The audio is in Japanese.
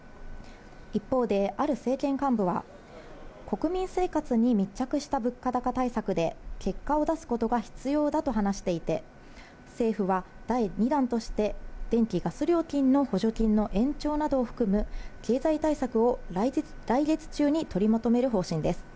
一方で、ある政権幹部は国民生活に密着した物価高対策で結果を出すことが必要だと話していて、政府は第２弾として、電気・ガス料金の補助金の延長などを含む経済対策を来月中に取りまとめる方針です。